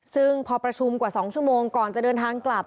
ซึ่งพอประชุมกว่า๒ชั่วโมงก่อนจะเดินทางกลับ